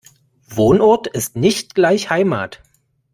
Wohnort ist nicht gleich Heimat.